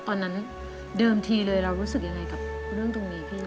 ตอนนั้นเดิมทีเลยเรารู้สึกยังไงกับเรื่องตรงนี้พี่